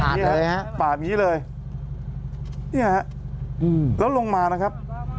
ผ่านเลยฮะผ่านอย่างงี้เลยเนี้ยฮะอืมแล้วลงมานะครับ